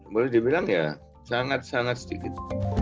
boleh dibilang ya sangat sangat sedikit